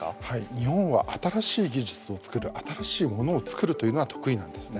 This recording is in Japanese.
日本は新しい技術を作る新しいものを作るというのは得意なんですね。